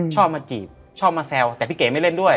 ชอบมาจีบชอบมาแซวแต่พี่เก๋ไม่เล่นด้วย